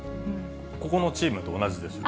ここのチームと同じですよ。